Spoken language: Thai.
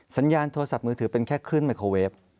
สัญญาณโทรศัพท์มือถือเป็นแค่คลื่นไมโครเวฟ